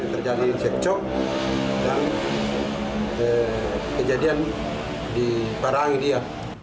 terjadi cekcok dan kejadian di baranggi dia